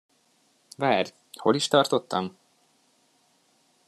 Várj, hol is tartottam?